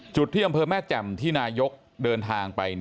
จุดที่อำเภอแม่แจ่มที่นายกเดินทางไป